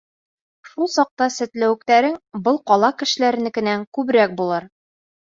Шул саҡта сәтләүектәрең был ҡала кешеләренекенән күберәк булыр.